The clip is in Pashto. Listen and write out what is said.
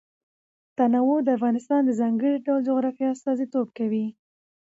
تنوع د افغانستان د ځانګړي ډول جغرافیه استازیتوب کوي.